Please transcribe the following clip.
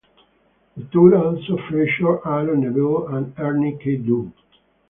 The tour also featured Aaron Neville, and Ernie K-Doe.